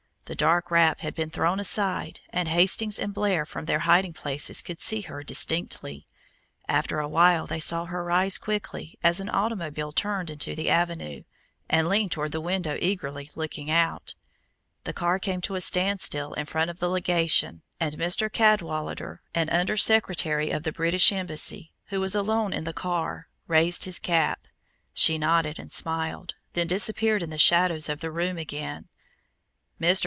The dark wrap had been thrown aside and Hastings and Blair from their hiding places could see her distinctly. After a while they saw her rise quickly, as an automobile turned into the avenue, and lean toward the window eagerly looking out. The car came to a standstill in front of the legation, and Mr. Cadwallader, an under secretary of the British embassy, who was alone in the car, raised his cap. She nodded and smiled, then disappeared in the shadows of the room again. Mr.